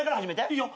いいよ。